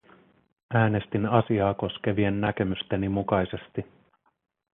Äänestin asiaa koskevien näkemysteni mukaisesti.